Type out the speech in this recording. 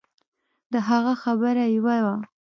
د هغه خبره يوه وه.